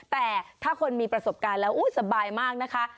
แต่ถ้าคนมีประสบการณ์แล้วสบายมากนะคะ